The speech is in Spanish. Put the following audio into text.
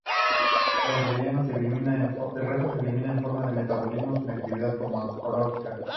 El resto se elimina en forma de metabolitos sin actividad farmacológica.